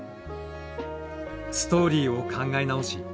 ストーリーを考え直し